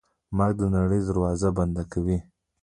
مرګ د نړۍ دروازه بنده کوي.